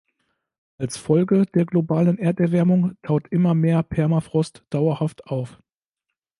Als Folge der globalen Erderwärmung taut immer mehr Permafrost dauerhaft auf.